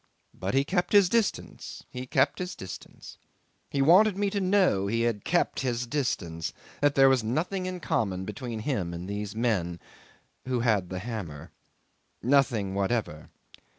But he kept his distance he kept his distance. He wanted me to know he had kept his distance; that there was nothing in common between him and these men who had the hammer. Nothing whatever.